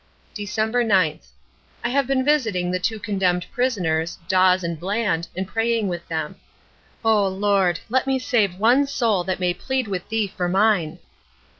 December 9th. I have been visiting the two condemned prisoners, Dawes and Bland, and praying with them. O Lord, let me save one soul that may plead with Thee for mine!